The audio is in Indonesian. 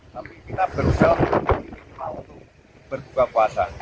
tapi kita berusaha untuk berbuka puasa